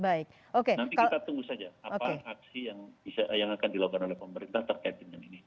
nanti kita tunggu saja apa aksi yang akan dilakukan oleh pemerintah terkait dengan ini